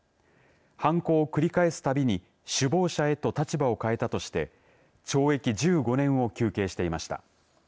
犯行を繰り返すたびに首謀者へと立場を変えたとして懲役１５年を求刑していました。